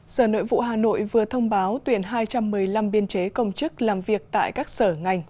sở nội vụ hà nội vừa thông báo tuyển hai trăm một mươi năm biên chế công chức làm việc tại các sở ngành